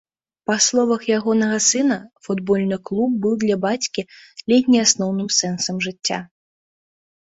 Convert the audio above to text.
Па словах ягонага сына, футбольны клуб быў для бацькі ледзь не асноўным сэнсам жыцця.